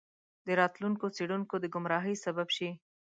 د راتلونکو څیړونکو د ګمراهۍ سبب شي.